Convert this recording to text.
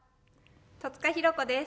戸塚寛子です。